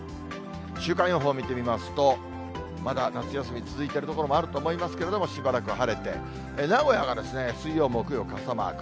週間予報見てみますと、まだ夏休み続いている所もあると思いますけれども、しばらく晴れて、名古屋が水曜、木曜、傘マーク。